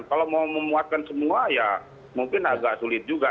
kalau mau memuatkan semua ya mungkin agak sulit juga